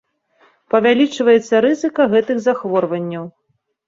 Павялічваецца рызыка гэтых захворванняў.